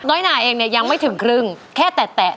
หนาเองเนี่ยยังไม่ถึงครึ่งแค่แตะ